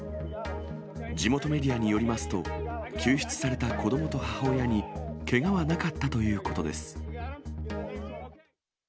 地元メディアによりますと、救出された子どもと母親にけがはなかったということです。